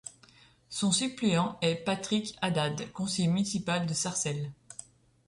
Son suppléant est Patrick Haddad, conseiller municipal de Sarcelles.